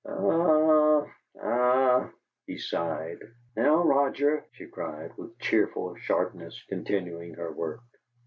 "Ah, ah!" he sighed. "Now, Roger!" she cried, with cheerful sharpness, continuing her work.